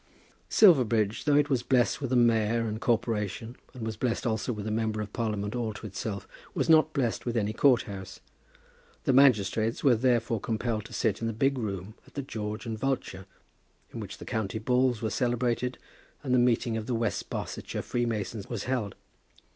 Silverbridge, though it was blessed with a mayor and corporation, and was blessed also with a Member of Parliament all to itself, was not blessed with any court house. The magistrates were therefore compelled to sit in the big room at the "George and Vulture," in which the county balls were celebrated, and the meeting of the West Barsetshire freemasons was held.